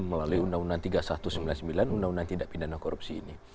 melalui undang undang tiga ribu satu ratus sembilan puluh sembilan undang undang tindak pidana korupsi ini